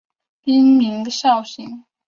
滨名孝行。